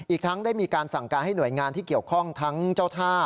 อีกทั้งได้มีการสั่งการให้หน่วยงานที่เกี่ยวข้องทั้งเจ้าท่า